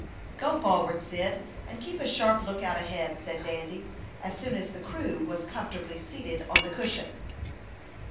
"Go forward, Cyd, and keep a sharp lookout ahead," said Dandy, as soon as the "crew" was comfortably seated on the cushion.